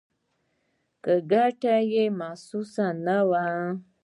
که ګټه یې محسوسه نه وه.